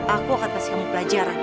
aku akan kasih kamu pelajaran